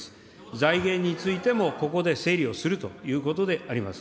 財源についてもここで整理をするということであります。